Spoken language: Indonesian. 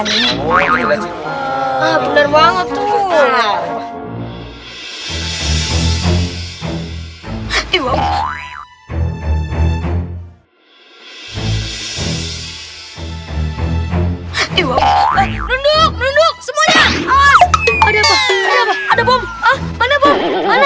iwaw iwaw nunduk nunduk semuanya ada bom bom